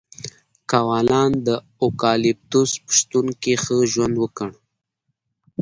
کوالان د اوکالیپتوس په شتون کې ښه ژوند وکړ.